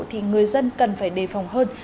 thì người dân cần phải đề phòng hơn